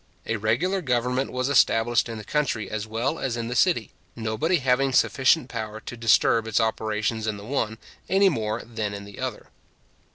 A regular government was established in the country as well as in the city, nobody having sufficient power to disturb its operations in the one, any more than in the other.